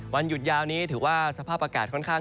วันหยุดยาวนี้ถือว่าสภาพอากาศค่อนข้าง